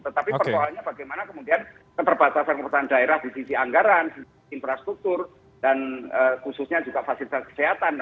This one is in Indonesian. tetapi persoalannya bagaimana kemudian keterbatasan pemerintahan daerah di sisi anggaran infrastruktur dan khususnya juga fasilitas kesehatan